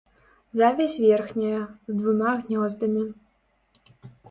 Завязь верхняя, з двума гнёздамі.